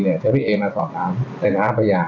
เฉพาะพี่เอ๋มาสอบทำเอ่งทางอพญา